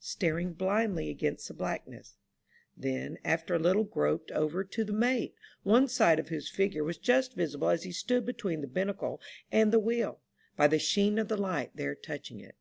staring blindly against the blackness ; then, after a little, groped over to the mate, one side of whose figure was just visible as he stood between the binnacle and the wheel, by the sheen of the light there touching it.